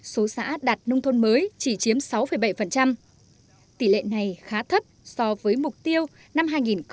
số xã đạt nông thôn mới chỉ chiếm sáu bảy tỷ lệ này khá thấp so với mục tiêu năm hai nghìn một mươi